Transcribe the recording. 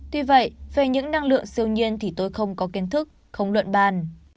tuy vậy về những năng lượng siêu nhiên thì tôi không có kiến thức không luận bàn